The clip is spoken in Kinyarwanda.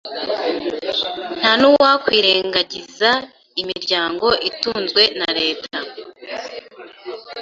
Nta n’uwakwirengagiza imiryango itunzwe na leta